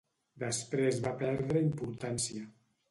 Després va perdre importància.